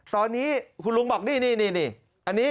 ตอนนี้คุณลุงบอกนี่อันนี้